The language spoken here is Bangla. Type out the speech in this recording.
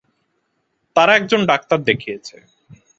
তারা এক জন ডাক্তার দেখিয়েছে।